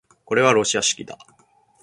これはロシア式だ